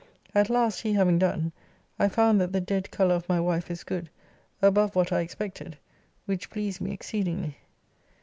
At last, he having done, I found that the dead colour of my wife is good, above what I expected, which pleased me exceedingly.